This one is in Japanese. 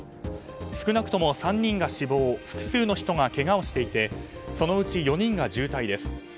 少なくとも３人が死亡複数の人がけがをしていてそのうち４人が重体です。